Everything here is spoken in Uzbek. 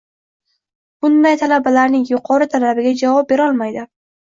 Bunday talabalarning yuqori talabiga javob berolmaydi